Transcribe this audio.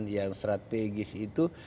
yang strategis itu